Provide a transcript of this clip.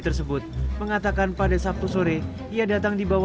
kini setelah itu ayah bayi tidak bisa menangani bayi